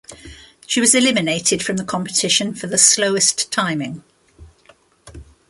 She was eliminated from the competition for the slowest timing.